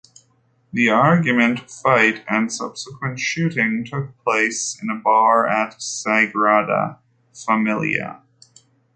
The argument, fight and subsequent shooting took place in a bar at Sagrada Familia.